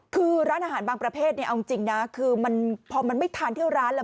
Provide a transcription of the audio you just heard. คือร้านอาหารบางประเภทเนี่ยเอาจริงนะคือมันพอมันไม่ทานเที่ยวร้านแล้ว